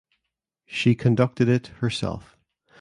She conducted it herself.